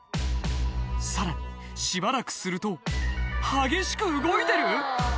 さらにしばらくすると激しく動いてる⁉